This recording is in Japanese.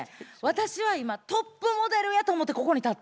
私は今トップモデルやと思うてここに立ってんねんから。